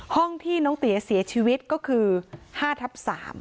ห้องที่น้องเตี๋ยเสียชีวิตก็คือ๕ทับ๓